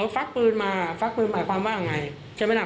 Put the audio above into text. ฟักปืนหมายความว่างไงใช่ไหมนะ